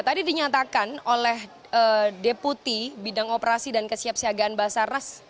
tadi dinyatakan oleh deputi bidang operasi dan kesiapsiagaan basarnas